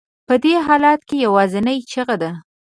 په دې حالت کې یوازینۍ چیغه ده.